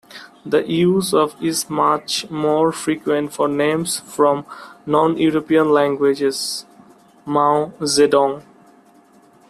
The use of is much more frequent for names from non-European languages: 'Mao Zedong'.